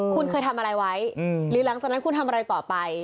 คุณเคยทำอะไรไว้หรือหลังจากนั้นคุณทำอะไรต่อไป